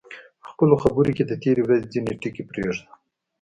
په خپلو خبرو کې د تېرې ورځې ځینې ټکي پرېږده.